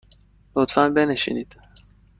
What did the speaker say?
لطفاً بنشینید.